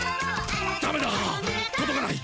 ダメだとどかない。